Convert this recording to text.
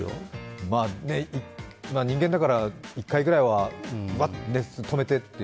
人間だから１回ぐらいは、あっ、止めてと。